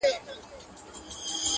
دا د بازانو د شهپر مېنه ده٫